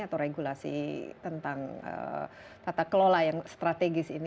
atau regulasi tentang tata kelola yang strategis ini